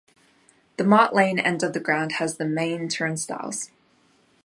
The Mart Lane end of the ground has the main turnstiles.